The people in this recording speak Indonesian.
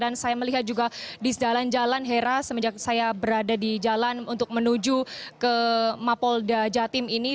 dan saya melihat juga di jalan jalan hera semenjak saya berada di jalan untuk menuju ke mapolda jatim ini